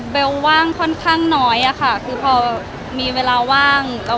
ว่างค่อนข้างน้อยอะค่ะคือพอมีเวลาว่าง